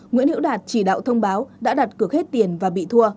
nguyễn hiễu đạt chỉ đạo thông báo đã đặt cược hết tiền và bị thua